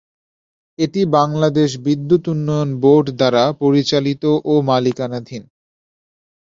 এটি বাংলাদেশ বিদ্যুৎ উন্নয়ন বোর্ড দ্বারা পরিচালিত ও এর মালিকানাধীন।